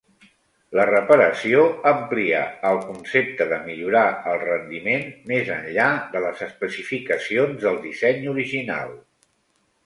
La reparació amplia al concepte de millorar el rendiment més enllà de les especificacions del disseny original.